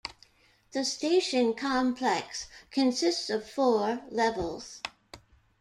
The station complex consists of four levels.